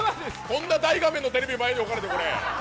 こんな大画面のテレビ置かれて。